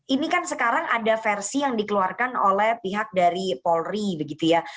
ini kan sekarang ada versi yang dikeluarkan oleh pihak dari polri begitu ya